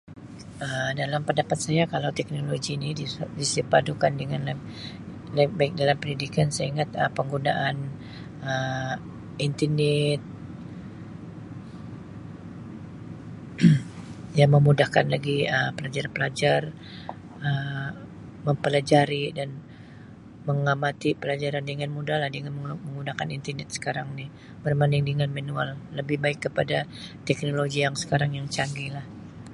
Um Dalam pendapat saya, kalau teknologi ni dis- disepadukan dengan baik-baik dalam pendidikan saya ingat Um penggunaan Um internet yang memudahkan lagi Um pelajar-pelajar Um mempelajari dan mengamati pelajaran dengan mudah la dengan meng- menggunakan internet sekarang ni berbanding dengan manual. Lebih baik kepada teknologi yang sekarang yang canggih la.